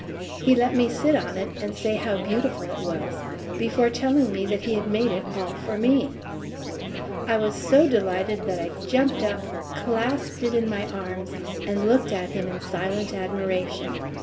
He let me sit on it and say how beautiful it was, before telling me that he had made it all for me. I was so delighted that I jumped up, clasped it in my arms and looked at him in silent admiration.